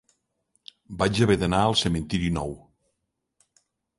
Vaig haver d'anar al cementiri nou